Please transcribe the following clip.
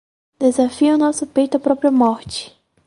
Desafia o nosso peito a própria morte!